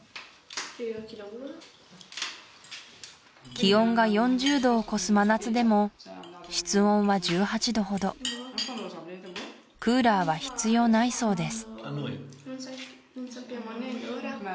気温が４０度を超す真夏でも室温は１８度ほどクーラーは必要ないそうです